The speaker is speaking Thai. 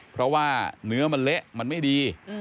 เพราะว่าเนื้อมันเละมันไม่ดี